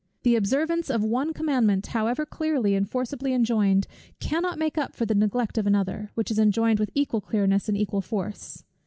The observance of one commandment, however clearly and forcibly enjoined, cannot make up for the neglect of another, which is enjoined with equal clearness and equal force.